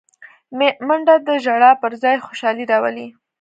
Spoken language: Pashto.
منډه د ژړا پر ځای خوشالي راولي